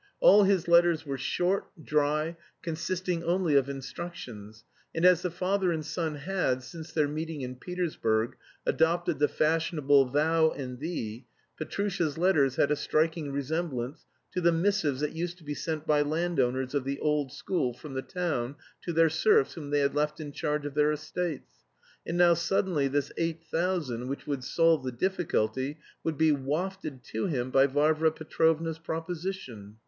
All his letters were short, dry, consisting only of instructions, and as the father and son had, since their meeting in Petersburg, adopted the fashionable "thou" and "thee," Petrusha's letters had a striking resemblance to the missives that used to be sent by landowners of the old school from the town to their serfs whom they had left in charge of their estates. And now suddenly this eight thousand which would solve the difficulty would be wafted to him by Varvara Petrovna's proposition.